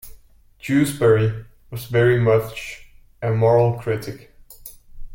Jewsbury was very much a moral critic.